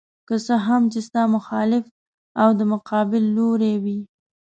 که څه هم چې ستا مخالف او د مقابل لوري وي.